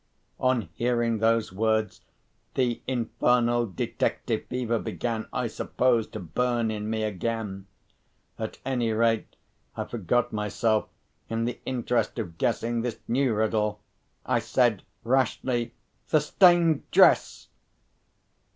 On hearing those words, the infernal detective fever began, I suppose, to burn in me again. At any rate, I forgot myself in the interest of guessing this new riddle. I said rashly, "The stained dress!"